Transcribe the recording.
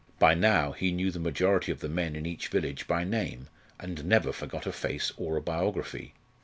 By now he knew the majority of the men in each village by name, and never forgot a face or a biography.